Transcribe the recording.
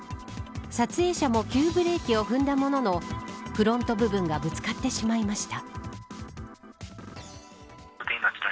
撮影者も急ブレーキを踏んだもののフロント部分がぶつかってしまいました。